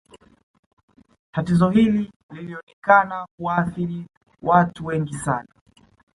tatizo hili lilionekana kuwaathiri watu wengi sana